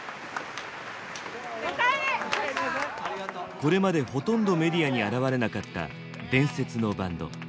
これまでほとんどメディアに現れなかった伝説のバンド。